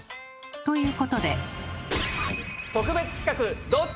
ということで！